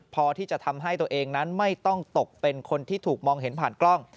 พอที่จะทำให้ตัวเองนั้นไม่ต้องตกเป็นคนที่ถูกมองเห็นผ่านกล้อง